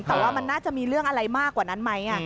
แต่ว่ามันน่าจะมีเรื่องอะไรมากกว่านั้นไหม